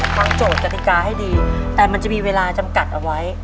โจทย์กติกาให้ดีแต่มันจะมีเวลาจำกัดเอาไว้